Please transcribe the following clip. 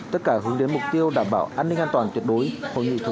tất cả hướng đến mục tiêu đảm bảo an ninh an toàn tuyệt đối hội nghị thường đỉnh mỹ triều